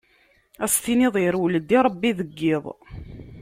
Ad s-tiniḍ irwel-d i Rebbi deg iḍ!